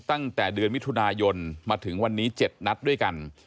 ตั้งแต่เดือนมิถุนายนมาถึงวันนี้๗นัดด้วยกัน